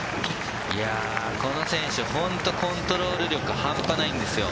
この選手、本当コントロール力、半端ないんですよ。